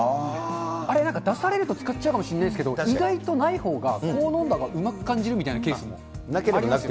あれなんか、出されると使っちゃうかもしれないんですけど、意外とないほうがこう、飲んだほうがうまく感じるみたいなケースもあります。